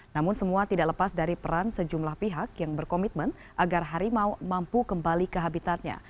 namun semua tidak lepas dari peran sejumlah pihak yang berkomitmen agar harimau mampu kembali ke habitatnya